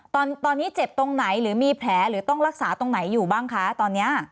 ตอนนี้เจ็บตรงไหนหรือมีแผลหรือต้องรักษาตรงไหนอยู่บ้างคะตอนนี้